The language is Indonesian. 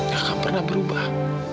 gak akan pernah berubah